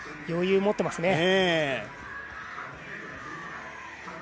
余裕、持っていますね。